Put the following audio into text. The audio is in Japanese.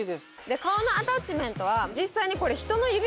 顔のアタッチメントは実際に。